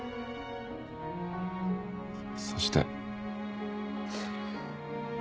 そして。